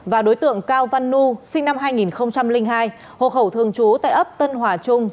và đối tượng cao văn nu sinh năm hai nghìn hai hộ khẩu thường trú tại ấp tân hòa trung